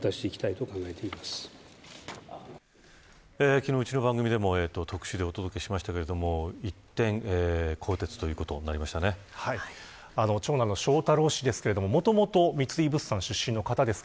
昨日、うちの番組でも特集でお届けしましたが一転、更迭ということに長男の翔太郎氏ですけどもともと三井物産出身の方です。